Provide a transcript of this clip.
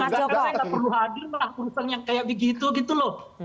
bung joko nggak perlu hadir lah urusan yang kayak begitu gitu loh